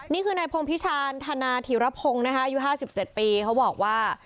นี่คือนายพงพิชาญธนาธิรพงศ์นะคะอายุ๕๗ปีเขาบอกว่า